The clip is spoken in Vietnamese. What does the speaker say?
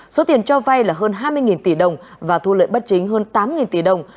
số tiền cho vay là hơn hai mươi tỷ đồng và thu lợi bất chính hơn tám tỷ đồng